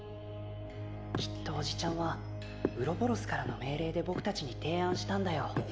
・きっとおじちゃんはウロボロスからの命令で僕たちに提案したんだよ。